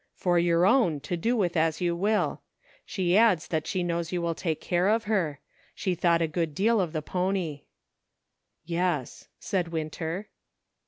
" For your own, to do with as you will. She adds that she knows you will take care of her. She thought a great deal of the pony." " Yes," said Winter.